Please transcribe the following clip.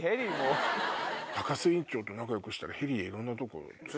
高須院長と仲良くしたらヘリでいろんなとこ。